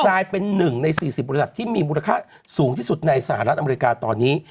กลายเป็น๑ใน๔๐บริษัทที่มีมูลค่าสูงที่สุดในสหรัฐอเมริกาตอนนี้